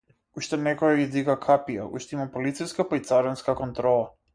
Уште некој дига капија, уште има полициска, па и царинска контрола.